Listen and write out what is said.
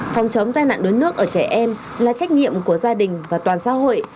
phòng chống tai nạn đuối nước ở trẻ em là trách nhiệm của gia đình và toàn xã hội